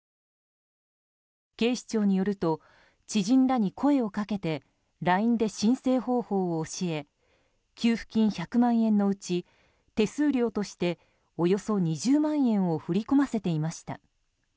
警視庁によると知人らに声をかけてＬＩＮＥで申請方法を教え給付金１００万円のうち手数料として、およそ２０万円を振り込ませていました。